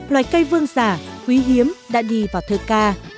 loài cây vương giả quý hiếm đã đi vào thơ ca